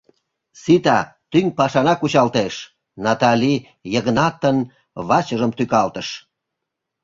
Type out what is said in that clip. — Сита, тӱҥ пашана кучалтеш, — Натали Йыгнатын вачыжым тӱкалтыш.